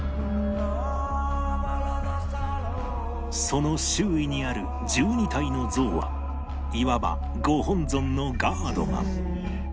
その周囲にある１２体の像はいわばご本尊のガードマン